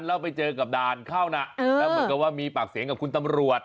แล้วไปเจอกับด่านเข้านะแล้วเหมือนกับว่ามีปากเสียงกับคุณตำรวจ